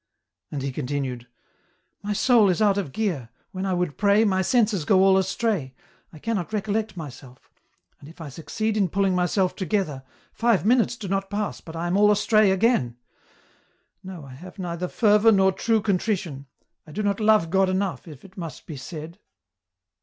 And he continued :" My soul is out of gear, when I would pray, my senses go all astray, I cannot recollect myself, and if I succeed in pulling myself together, five minutes do not pass but I am all astray again ; no, I have neither fervour nor true contrition, I do not love God enough, if it must be said.